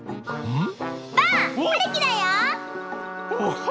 うん！